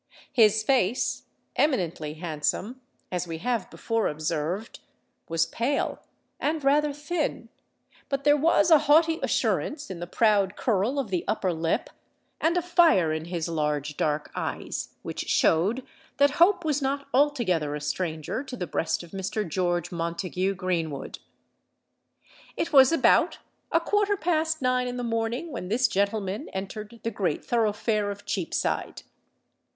His face—eminently handsome, as we have before observed—was pale and rather thin; but there was a haughty assurance in the proud curl of the upper lip, and a fire in his large dark eyes, which showed that hope was not altogether a stranger to the breast of Mr. George Montague Greenwood. It was about a quarter past nine in the morning when this gentleman entered the great thoroughfare of Cheapside.